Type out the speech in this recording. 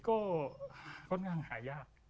เหรียญนี้ก็ค่อนข้างหายาก